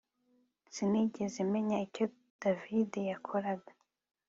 Sinigeze menya icyo David yakoraga